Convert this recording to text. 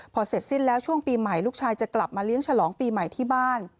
พอเสร็จสิ้นแล้วช่วงปีใหม่ลูกชายจะกลับมาเลี้ยงฉลองปีใหม่ที่บ้าน